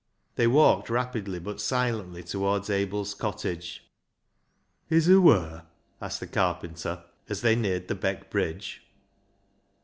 They walked rapidly but silently towards Abel's cottage. " Is hoo wur ?" asked the carpenter, as they neared the Beck bridge.